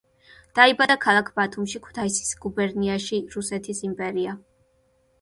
დაიბადა ქალაქ ბათუმში, ქუთაისის გუბერნიაში, რუსეთის იმპერია.